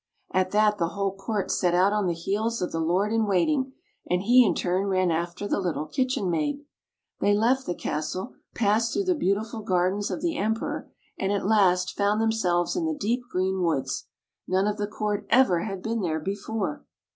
At that the whole court set out on the heels of the lord in waiting, and he in turn ran after the little kitchen maid. They left the castle, passed through the beautiful gardens of the Emperor, and at last found themselves in the deep green woods. None of the court ever had been there before.